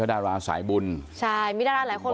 คือตอนนั้นหมากกว่าอะไรอย่างเงี้ย